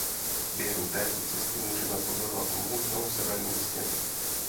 Během této cesty můžeme pozorovat mohutnou severní stěnu.